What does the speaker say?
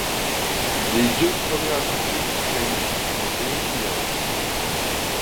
Les deux premières équipes se qualifient en demi-finale.